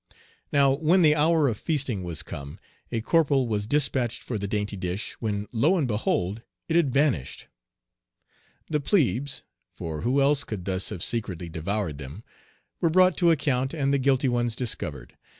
Now when the hour of feasting was come, a corporal was dispatched for the dainty dish, when, lo, and behold! it had vanished. The plebes for who else could thus have secretly devoured them were brought to account and the guilty ones discovered.